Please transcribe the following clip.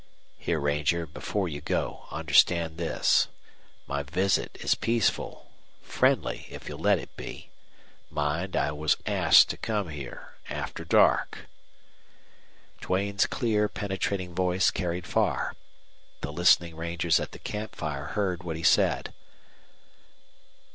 "Here, ranger, before you go, understand this. My visit is peaceful friendly if you'll let it be. Mind, I was asked to come here after dark." Duane's clear, penetrating voice carried far. The listening rangers at the camp fire heard what he said.